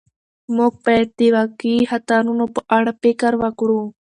موږ باید د واقعي خطرونو په اړه فکر وکړو.